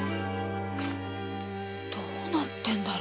どうなってんだろ？